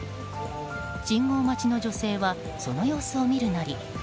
信号待ちの女性はその様子を見るなり